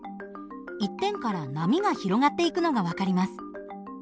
一点から波が広がっていくのが分かります。